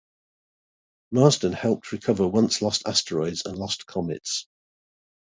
Marsden helped recover once lost asteroids and lost comets.